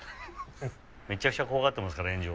・めちゃくちゃ怖がっていますから炎上。